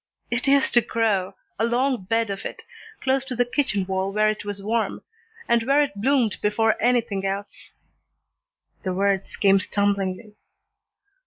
"It used to grow, a long bed of it, close to the kitchen wall where it was warm, and where it bloomed before anything else." The words came stumblingly.